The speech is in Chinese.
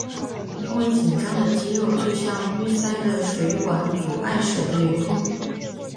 因为紧张的肌肉就像淤塞的水管阻碍水的流通。